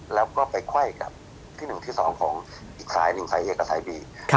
แล้วก็ไปไข่กับที่หนึ่งที่สองของอีกสายหนึ่งสายเอกกับสายบีครับ